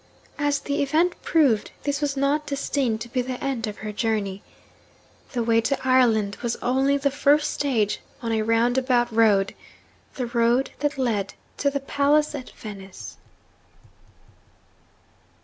As the event proved, this was not destined to be the end of her journey. The way to Ireland was only the first stage on a roundabout road the road that led to the palace at Venice.